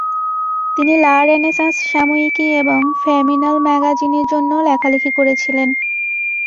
তিনি La Renaissance সাময়িকী এবং ফেমিনাল ম্যাগাজিনের জন্যেও লেখালেখি করেছিলেন।